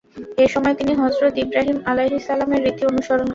এ সময় তিনি হযরত ইব্রাহীম আলাইহিস সালাম-এর রীতি অনুসরণ করেন।